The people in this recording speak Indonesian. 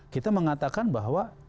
kita mengatakan bahwa